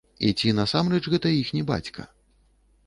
І ці насамрэч гэта іхні бацька?